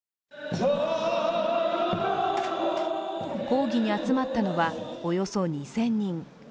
抗議に集まったのは、およそ２０００人。